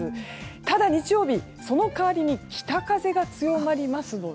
ただ日曜日、その代わりに北風が強まりますので。